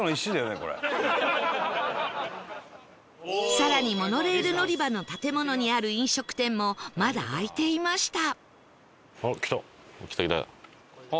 更にモノレール乗り場の建物にある飲食店もまだ開いていました